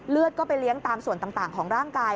ก็ไปเลี้ยงตามส่วนต่างของร่างกาย